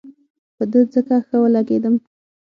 په ده ځکه ښه ولګېدم.